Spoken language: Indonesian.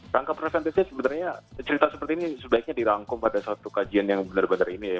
rangka preventifnya sebenarnya cerita seperti ini sebaiknya dirangkum pada suatu kajian yang benar benar ini ya